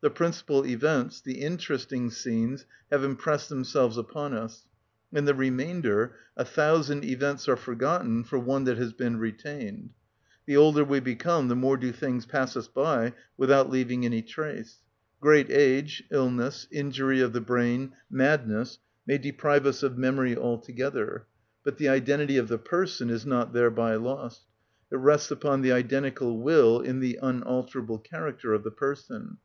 The principal events, the interesting scenes, have impressed themselves upon us; in the remainder a thousand events are forgotten for one that has been retained. The older we become the more do things pass by us without leaving any trace. Great age, illness, injury of the brain, madness, may deprive us of memory altogether, but the identity of the person is not thereby lost. It rests upon the identical will and the unalterable character of the person.